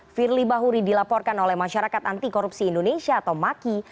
firly bahuri dilaporkan oleh masyarakat anti korupsi indonesia atau maki